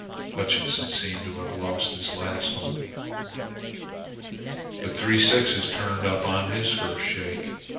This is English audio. Hutchinson seemed to have lost his last hope. But three sixes turned up on his first shake.